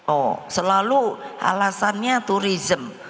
oh selalu alasannya turism